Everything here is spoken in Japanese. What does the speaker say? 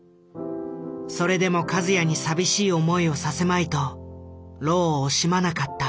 それでも和也に寂しい思いをさせまいと労を惜しまなかった。